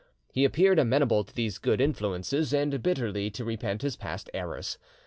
He appeared amenable to these good influences, and bitterly to repent his past errors.